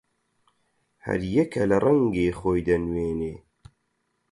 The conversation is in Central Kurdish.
هەر یەکە لە ڕەنگێ خۆی دەنوێنێ